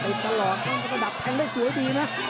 เป็นกะหล่อแข็งกระดับแข็งได้สวยดีนะ